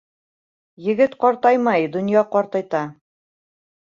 Егет ҡартаймай, донъя ҡартайта.